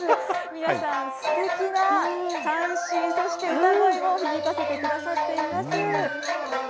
皆さん、すてきな三線、そして歌声も響かせてくださっています。